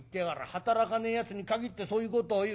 働かねえやつにかぎってそういうことを言う。